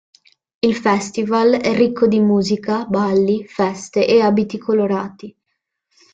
Il festival è ricco di musica, balli, feste, e abiti colorati.